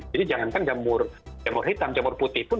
jadi jangankan jamur hitam jamur putih pun